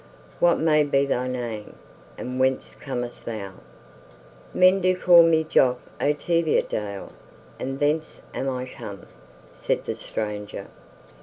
What may be thy name, and whence comest thou?" "Men do call me Jock o' Teviotdale, and thence am I come," said the stranger.